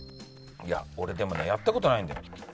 いや俺でもねやった事ないんだよ。